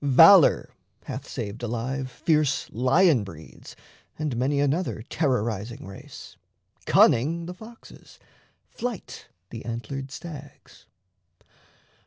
Valour hath saved alive fierce lion breeds And many another terrorizing race, Cunning the foxes, flight the antlered stags.